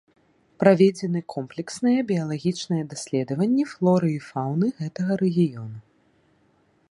Праведзены комплексныя біялагічныя даследаванні флоры і фауны гэтага рэгіёну.